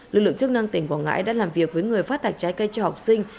lực lượng chức năng tỉnh quảng ngãi đã làm việc với người phát thạch trái cây cho học sinh